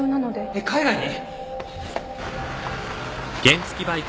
えっ海外に？